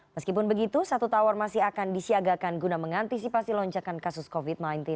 meskipun begitu satu tower masih akan disiagakan guna mengantisipasi lonjakan kasus covid sembilan belas